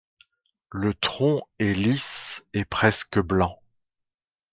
Le tronc est lisse et presque blanc.